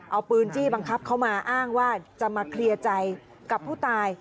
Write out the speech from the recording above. เอาปืนจี้บังคับเขามาอ้างว่าจะมาเคลียร์ใจกับผู้ตาย